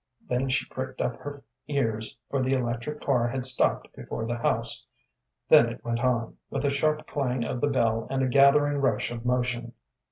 Then she pricked up her ears, for the electric car had stopped before the house. Then it went on, with a sharp clang of the bell and a gathering rush of motion.